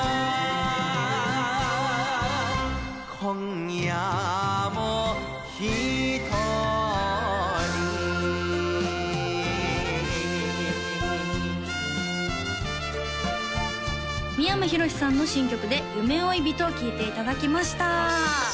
今夜もひとり三山ひろしさんの新曲で「夢追い人」聴いていただきました